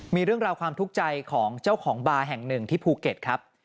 มีเรื่องราวความทุกข์ใจของเจ้าของบาร์แห่งหนึ่งที่ภูเก็ตครับ